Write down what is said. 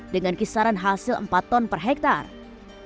dengan kisaran hasil empat ton per hektare